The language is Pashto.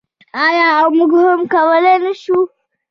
آیا او موږ هم کولی نشو؟